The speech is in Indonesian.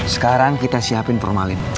sekarang kita siapin formalin